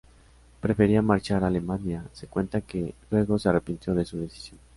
Prefería marchar a Alemania; se cuenta que, luego, se arrepintió de su decisión.